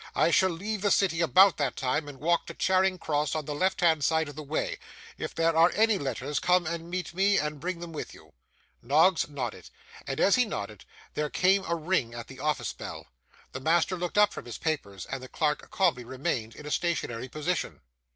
I shall leave the city about that time and walk to Charing Cross on the left hand side of the way; if there are any letters, come and meet me, and bring them with you.' Noggs nodded; and as he nodded, there came a ring at the office bell. The master looked up from his papers, and the clerk calmly remained in a stationary position.